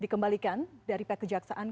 kembalikan dari pihak kejaksaan